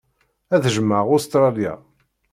Ad jjmeɣ Ustṛalya.